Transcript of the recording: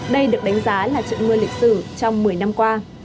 đây được đánh giá là trận mưa lịch sử trong một mươi năm qua